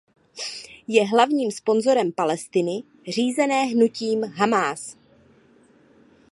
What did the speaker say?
Je hlavním sponzorem Palestiny řízené hnutím Hamás.